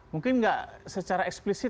mungkin enggak secara eksplisit